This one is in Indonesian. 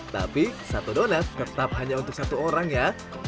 tapi satu donat tetap hanya untuk satu orang ya